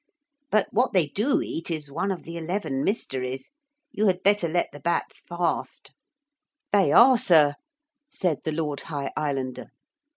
But what they do eat is one of the eleven mysteries. You had better let the bats fast.' 'They are, sir,' said the Lord High Islander.